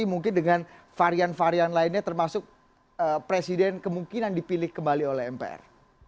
mungkin dengan varian varian lainnya termasuk presiden kemungkinan dipilih kembali oleh mpr